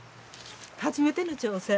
初めての挑戦。